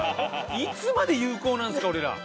いつまで有効なんですか俺ら。